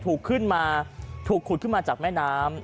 ขึ้นมาถูกขุดขึ้นมาจากแม่น้ำ